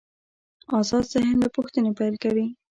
آزاد ذهن له پوښتنې پیل کوي.